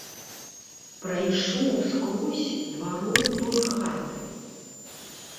Прайшоў скрозь дваром той хаты.